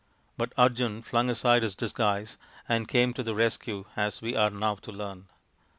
But Arjun flung aside his disguise and came to the rescue as we are now to learn.